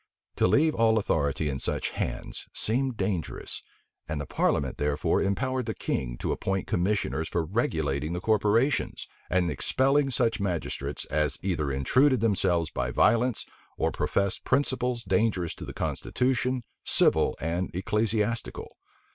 To leave all authority in such hands seemed dangerous; and the parliament therefore empowered the king to appoint commissioners for regulating the corporations, and expelling such magistrates as either intruded themselves by violence, or professed principles dangerous to the constitution, civil and ecclesiastical.